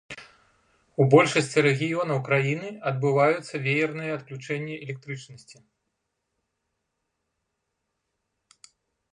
У большасці рэгіёнаў краіны адбываюцца веерныя адключэнні электрычнасці.